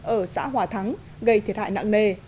ở xã hòa thắng gây thiệt hại nặng nề